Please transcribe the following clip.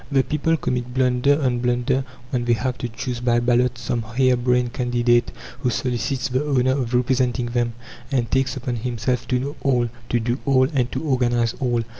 The people commit blunder on blunder when they have to choose by ballot some hare brained candidate who solicits the honour of representing them, and takes upon himself to know all, to do all, and to organize all.